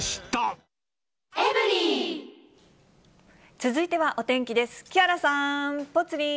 続いてはお天気です。